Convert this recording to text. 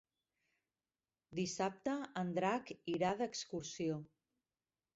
Dissabte en Drac irà d'excursió.